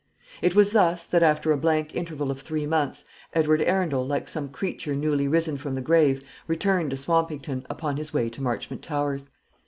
It was thus that, after a blank interval of three months, Edward Arundel, like some creature newly risen from the grave, returned to Swampington, upon his way to Marchmont Towers.